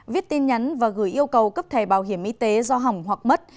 viết tin nhắn và gửi yêu cầu cấp thẻ bảo hiểm y tế do hỏng hoặc mất